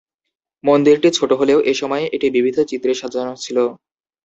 মন্দিরটি ছোট হলেও এসময় এটি বিবিধ চিত্রে সাজানো ছিল।